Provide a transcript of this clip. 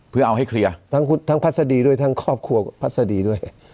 เพื่อเอาให้เคลียร์ทั้งพัศดีด้วยทั้งครอบครัวพัศดีด้วย